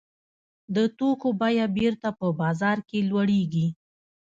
د توکو بیه بېرته په بازار کې لوړېږي